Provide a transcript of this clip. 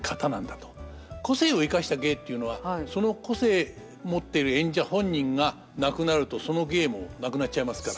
個性をいかした芸っていうのはその個性もってる演者本人が亡くなるとその芸もなくなっちゃいますから。